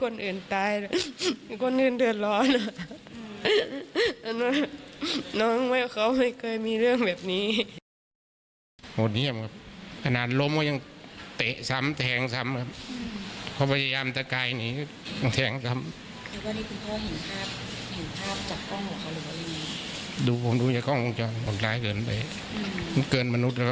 เรื่องแบบนี้